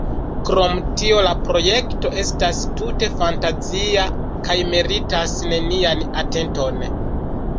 Krom tio la projekto estas tute fantazia kaj meritas nenian atenton.